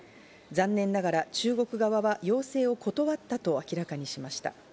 残念ながら中国側は要請を断ったと明らかにしました。